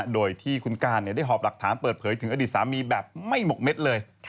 โดยที่คุณก้านได้หอบหลักฐานเปิดเผยถึงอดีตสามีแบบไม่หมกเม็ดเลย